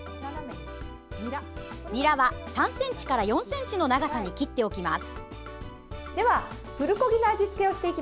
にらは３ｃｍから４ｃｍの長さに切っておきます。